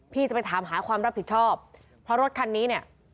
พี่จะไปถามหาความรับผิดชอบเพราะรถคันนี้เนี่ย